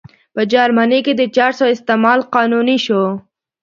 په جرمني کې د چرسو استعمال قانوني شو.